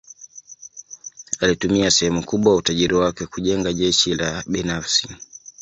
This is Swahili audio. Alitumia sehemu kubwa ya utajiri wake kujenga jeshi la binafsi.